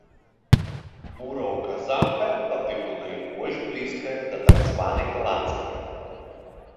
Муроўка замка па тыпу найбольш блізкая да так званай галандскай.